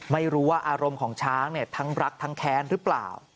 ไม่รู้ว่าอารมณ์ของช้างทั้งรักทั้งแค้นหรือเปล่า